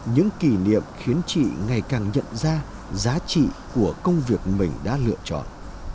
những kỷ niệm khiến chị ngày càng nhận ra giá trị của công việc mình đã lựa chọn